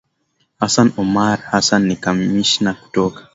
hassan omar hassan ni kamishna kutoka